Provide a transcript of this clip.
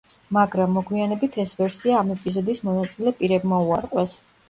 მაგრამ, მოგვიანებით ეს ვერსია ამ ეპიზოდის მონაწილე პირებმა უარყვეს.